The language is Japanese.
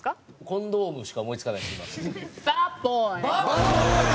コンドームしか思い付かない。